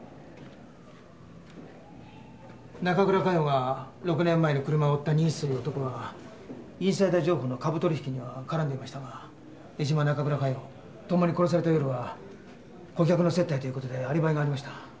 中倉佳世が６年前に車を売った新津という男はインサイダー情報の株取引には絡んでいましたが江島中倉佳世ともに殺された夜は顧客の接待という事でアリバイがありました。